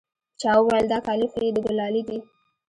چا وويل دا كالي خو يې د ګلالي دي.